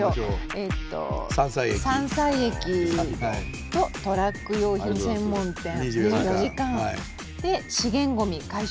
えっと「三才駅」と「トラック用品専門店」２４時間「資源ゴミ回収